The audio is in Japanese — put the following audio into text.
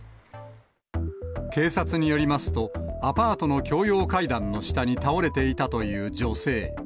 警察によりますと、アパートの共用階段の下に倒れていたという女性。